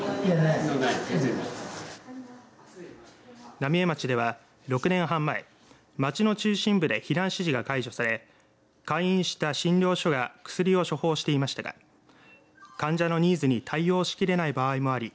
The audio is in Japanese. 浪江町では６年半前町の中心部で避難指示が解除され開院した診療所が薬を処方していましたが患者のニーズに対応しきれない場合もあり